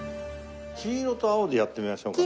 黄色と青でやってみましょうかね。